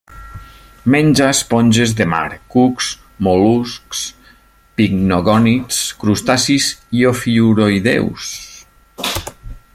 Menja esponges de mar, cucs, mol·luscs, picnogònids, crustacis i ofiuroïdeus.